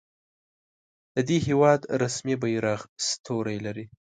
د دې هیواد رسمي بیرغ ستوری لري.